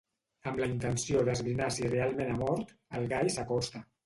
Amb la intenció d'esbrinar si realment ha mort, el gall s'acosta.